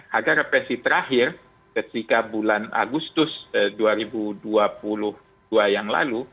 harga resesi terakhir ketika bulan agustus dua ribu dua puluh dua yang lalu